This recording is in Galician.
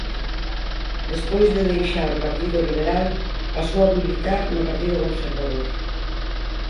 Despois de deixar o Partido Liberal pasou a militar no Partido Conservador.